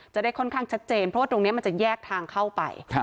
จะได้ค่อนข้างชัดเจนเพราะว่าตรงนี้มันจะแยกทางเข้าไป